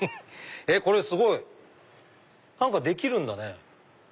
これすごい！何かできるんだね。